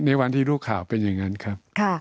ในวันที่รู้ข่าวเป็นอย่างนั้นครับ